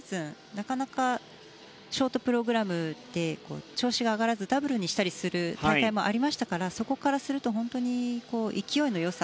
なかなかショートプログラムで調子が上がらずダブルにしたりする大会もありましたからそこからすると勢いの良さ。